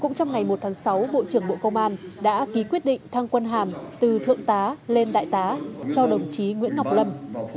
cũng trong ngày một tháng sáu bộ trưởng bộ công an đã ký quyết định thăng quân hàm từ thượng tá lên đại tá cho đồng chí nguyễn ngọc lâm